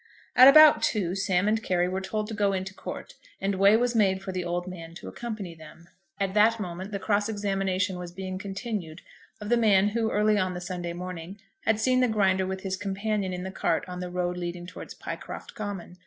At about two Sam and Carry were told to go into Court, and way was made for the old man to accompany them. At that moment the cross examination was being continued of the man who, early on the Sunday morning, had seen the Grinder with his companion in the cart on the road leading towards Pycroft Common.